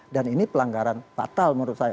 ini pelanggaran fatal menurut saya